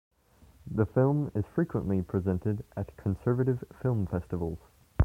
The film is frequently presented at conservative film festivals.